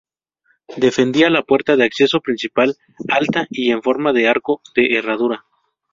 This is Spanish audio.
Defendía la puerta de acceso principal, alta y en forma de arco de herradura.